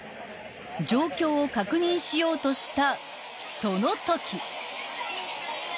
［状況を確認しようとしたそのとき］